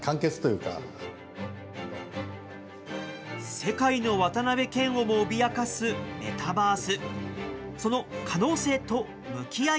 世界の渡辺謙をも脅かすメタバース。